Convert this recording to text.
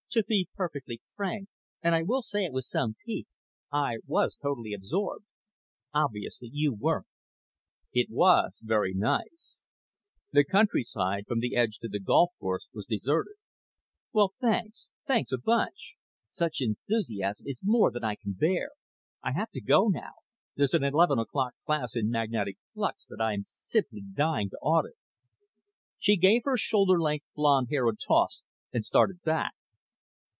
"To be perfectly frank and I say it with some pique I was totally absorbed. Obviously you weren't." "It was very nice." The countryside, from the edge to the golf course, was deserted. "Well, thanks. Thanks a bunch. Such enthusiasm is more than I can bear. I have to go now. There's an eleven o'clock class in magnetic flux that I'm simply dying to audit." She gave her shoulder length blonde hair a toss and started back.